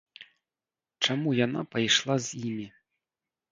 Чаму яна пайшла з імі?